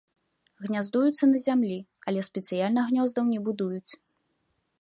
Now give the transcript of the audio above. Гняздуюцца на зямлі, але спецыяльна гнёздаў не будуюць.